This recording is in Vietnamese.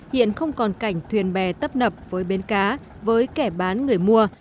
hiện không còn cảnh thuyền bè tấp nập với bến cá với kẻ bán người mua